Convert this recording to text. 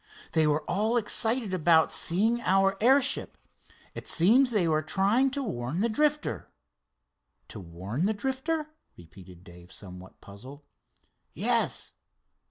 They were all excited about seeing our airship. It seems they were trying to warn the Drifter." "To warn the Drifter?" repeated Dave somewhat puzzled. "Yes."